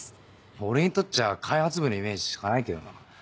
俺にとっちゃ開発部のイメージしかないけどな。